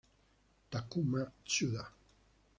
Takuma Tsuda